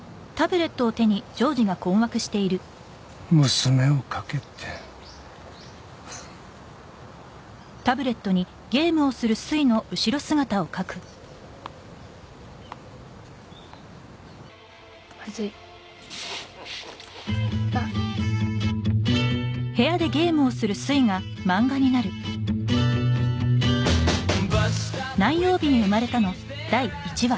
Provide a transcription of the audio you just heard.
娘を描けってまずいあっう